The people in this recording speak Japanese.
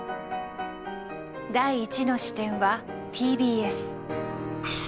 第１の視点はＴＢＳ。